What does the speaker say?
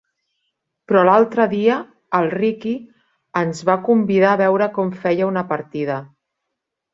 Però l'altre dia el Riqui ens va convidar a veure com feia una partida.